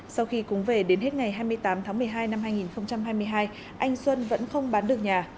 sau khi cúng về đến hết ngày hai mươi tám tháng một mươi hai năm hai nghìn hai mươi hai anh xuân vẫn không bán được nhà